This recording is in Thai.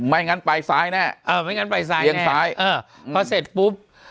ไม่งั้นไปซ้ายแน่เออไม่งั้นไปซ้ายแน่เออเพราะเสร็จปุ๊บ